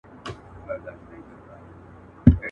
د هندو او مرهټه په جنګ وتلی.